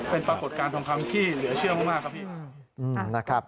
เป็นปรากฏการณ์ทองคำที่เหลือเชื่อมากครับพี่นะครับ